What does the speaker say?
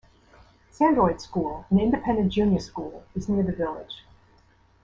Sandroyd School, an independent junior school, is near the village.